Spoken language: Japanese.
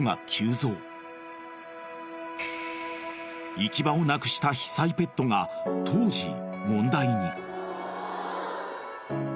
［行き場をなくした被災ペットが当時問題に］